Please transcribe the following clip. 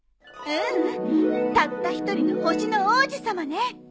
ううんたった一人の星の王子さまね。